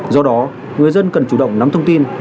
do đó người dân cần chủ động nắm thông tin